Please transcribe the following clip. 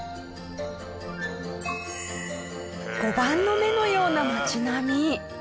碁盤の目のような街並み。